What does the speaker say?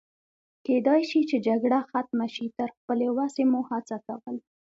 کېدای شي چې جګړه ختمه شي، تر خپلې وسې مو هڅه کول.